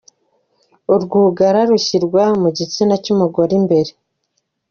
Urwugara rushyirwa mu gitsina cy’umugore imbere.